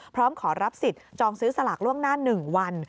พร้อมขอรับสิทธิ์จองซื้อสลากล่วงหน้า๑วัน